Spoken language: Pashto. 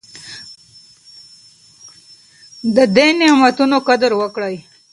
د دې نعمتونو قدر وکړئ.